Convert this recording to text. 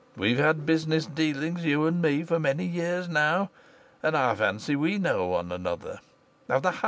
We've had business dealings, you and me, for many years now, and I fancy we know one another.